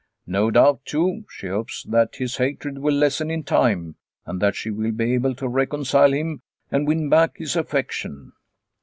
No doubt, too, she hopes that his hatred will lessen in time, and that she will be able to reconcile him and win back his affection.